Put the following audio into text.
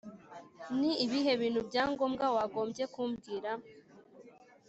Ni ibihe bintu bya ngombwa wagombye kumbwira